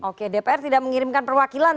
oke dpr tidak mengirimkan perwakilan